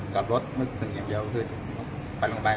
กลับรถเมื่อถึงเย็บเยาว์ขึ้นไปลงไป